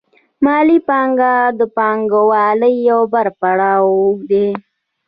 مالي پانګه د پانګوالۍ یو بل پړاو دی